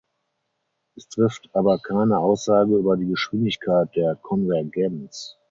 Es trifft aber keine Aussage über die Geschwindigkeit der Konvergenz.